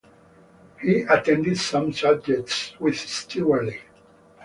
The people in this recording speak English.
He attended some subjects with Stewart Lee.